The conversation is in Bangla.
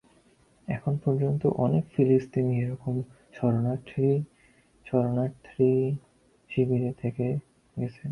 এখন পর্যন্ত অনেক ফিলিস্তিনী এরকম শরণার্থী শিবিরে থেকে গেছেন।